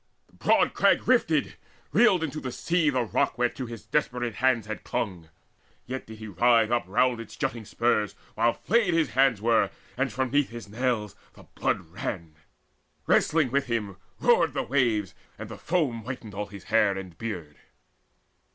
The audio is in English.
The broad crag rifted reeled into the sea, The rock whereto his desperate hands had clung; Yet did he writhe up round its jutting spurs, While flayed his hands were, and from 'neath his nails The blood ran. Wrestling with him roared the waves, And the foam whitened all his hair and beard.